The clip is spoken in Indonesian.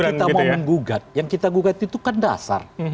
kalau kita mau menggugat yang kita gugat itu kan dasar